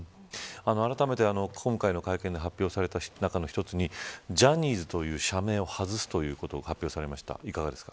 あらためて今回の会見で発表された中の一つにジャニーズという社名を外すということを発表されました。